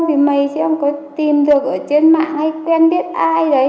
thì mày chắc không có tìm được trên mạng hay quen biết ai